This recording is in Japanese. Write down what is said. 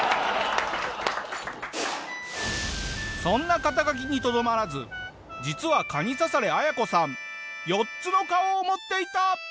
そんな肩書にとどまらず実はカニササレアヤコさん４つの顔を持っていた！